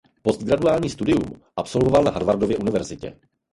Postgraduální studium absolvoval na Harvardově univerzitě.